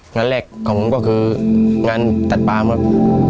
งานแรกของผมก็คืองานตัดปามครับ